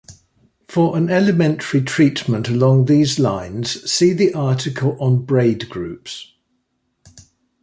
For an elementary treatment along these lines, see the article on braid groups.